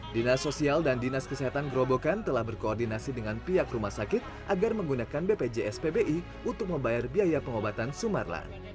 dinas sosial dan dinas kesehatan gerobokan telah berkoordinasi dengan pihak rumah sakit agar menggunakan bpjs pbi untuk membayar biaya pengobatan sumarlan